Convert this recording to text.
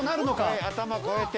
はい頭越えて。